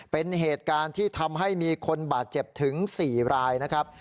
เป็นเหตุการณ์ที่ทำให้มีคนบาดเจ็บถึง๔รายนะครับ